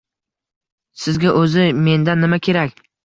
Sizga o'zi mendan nima kerak?